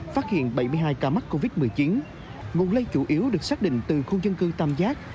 phát hiện bảy mươi hai ca mắc covid một mươi chín nguồn lây chủ yếu được xác định từ khu dân cư tam giác